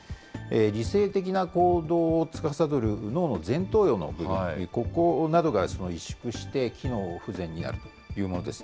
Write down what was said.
理性的な行動をつかさどる脳の前頭葉の部分、ここなどが萎縮して機能不全に陥るということですね。